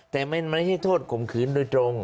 แต่มันไม่ใช่โทษข่มขืนโดยตรง